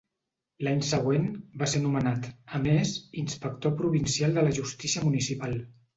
L'any següent, va ser nomenat, a més, inspector provincial de la justícia municipal.